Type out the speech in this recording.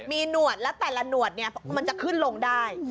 มีหนวดแล้วแต่ละหนวดเนี่ยมันจะขึ้นลงได้